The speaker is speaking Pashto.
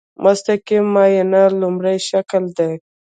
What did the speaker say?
مستقیم معاینه لومړی شکل دی.